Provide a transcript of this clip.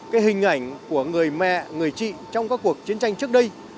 cái hình ảnh của người mẹ người chị trong các cuộc chiến tranh trước đây